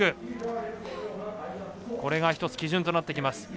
これが１つ基準となってきます。